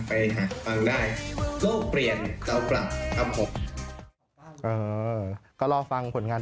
ทีมิ่งแท็ทฟอร์มนะครับ